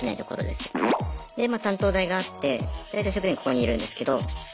でまあ担当台があって大体職員ここにいるんですけど。